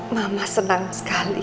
mama senang sekali